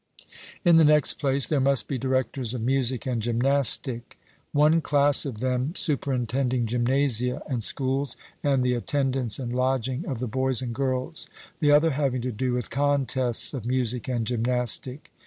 In the next place, there must be directors of music and gymnastic; one class of them superintending gymnasia and schools, and the attendance and lodging of the boys and girls the other having to do with contests of music and gymnastic.